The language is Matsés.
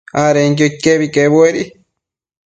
adenquio iquebi quebuedi